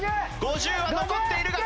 ５０は残っているが。